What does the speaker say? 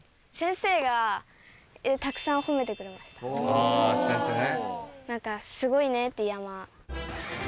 あ先生ね。